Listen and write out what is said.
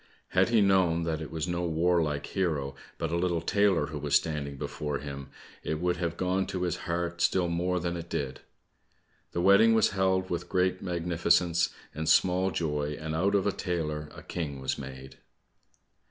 Had he known that it was no warlike hero, but a little tailor who was standing before him, it would have gone to his heart still more than it did. The wedding was held with great magnificence and small joy, and out of a tailor a king was made.